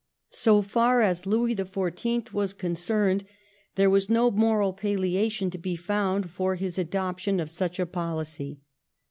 So far as Louis the Fourteenth was concerned there was no moral palliation to be found for his adoption of such a policy.